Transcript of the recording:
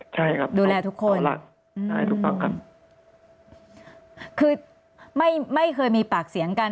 ใช่ครับต้องรักทุกคนคือไม่เคยมีปากเสียงกัน